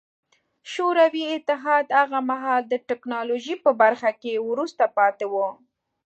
شوروي اتحاد هغه مهال د ټکنالوژۍ په برخه کې وروسته پاتې و